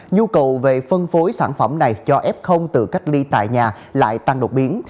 nhu cầu về phân phối sản phẩm này cho f tự cách ly tại nhà lại tăng đột biến